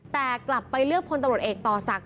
แต่กลับไปเลือกพลตำรวจเอกต่อศักดิ